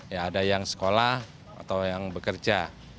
ya ada yang sekolah atau yang bekerja